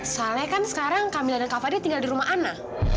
soalnya kan sekarang kamila dan kava dia tinggal di rumah ana